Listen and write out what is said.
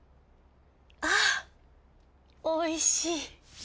あおいしい。